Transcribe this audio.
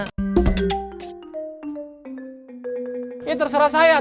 ini terserah saya